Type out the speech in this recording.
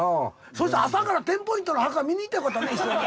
そしたら朝からテンポイントの墓見に行ったらよかったね一緒に。